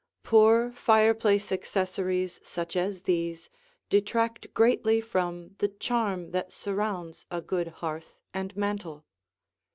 Poor fireplace accessories such as these detract greatly from the charm that surrounds a good hearth and mantel.